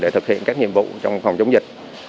để thực hiện các nhiệm vụ trong phòng chống dịch